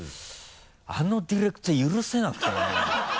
あのディレクター許せなくてね。